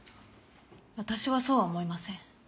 私はそうは思いません。